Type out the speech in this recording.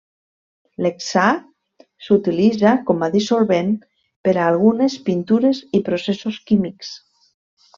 L'hexà s'utilitza com a dissolvent per a algunes pintures i processos químics.